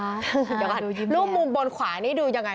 เดี๋ยวก่อนรูปมุมบนขวานี่ดูยังไง